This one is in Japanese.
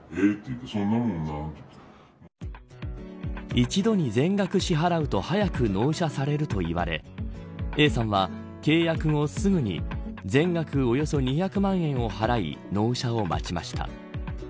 一度に全額支払うと早く納車されると言われＡさんは、契約後すぐに全額およそ２００万円を払い納車を待ちました。